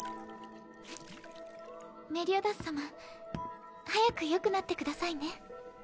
メリオダス様早くよくなってくださいね。